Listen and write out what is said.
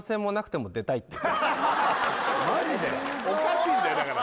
すごい・おかしいんだよだから